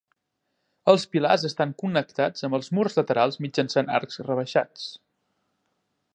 Els pilars estan connectats amb els murs laterals mitjançant arcs rebaixats.